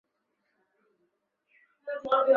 爱宕是东京都港区的地名。